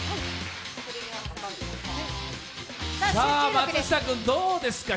松下君どうですか？